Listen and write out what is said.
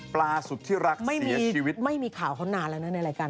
ปลาสุดที่รักเสียชีวิตไม่มีข่าวข้อนานแล้วนะในรายการ